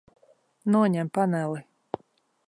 Noņem paneli.